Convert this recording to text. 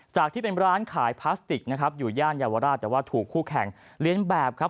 ที่เป็นร้านขายพลาสติกนะครับอยู่ย่านเยาวราชแต่ว่าถูกคู่แข่งเรียนแบบครับ